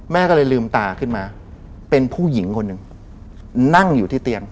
แม่ก็เลยลืมตาขึ้นมาเป็นผู้หญิงคนหนึ่งนั่งอยู่ที่เตียง